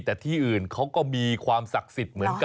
แต่ที่อื่นเขาก็มีความศักดิ์สิทธิ์เหมือนกัน